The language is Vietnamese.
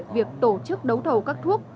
việc tổ chức đấu thầu các thuốc